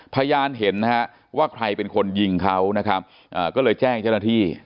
พยานเห็นนะฮะว่าใครเป็นคนยิงเขานะครับก็เลยแจ้งเจ้าหน้าที่